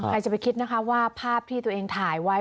ใครจะไปคิดนะคะว่าภาพที่ตัวเองถ่ายไว้